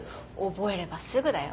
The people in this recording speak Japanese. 覚えればすぐだよ。